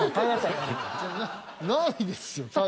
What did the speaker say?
ないですよ